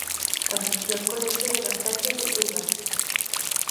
Asistió al colegio de La Salle de Eibar.